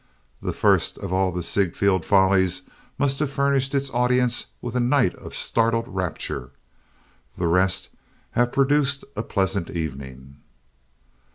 The first of all the Ziegfeld Follies must have furnished its audience with a night of startled rapture. The rest have produced a pleasant evening.